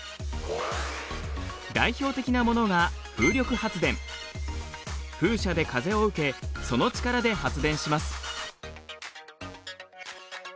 代表的なものが風車で風を受けその力で発電します。